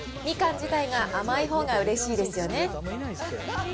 みかん自体が甘いほうがうれしいですよね。